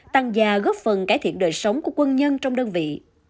tăng gia góp phần cải thiện đời sống của quân nhân trong đơn vị